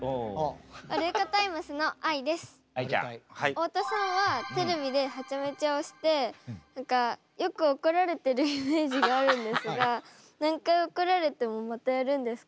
太田さんはテレビではちゃめちゃをして何かよく怒られてるイメージがあるんですが何回怒られてもまたやるんですか？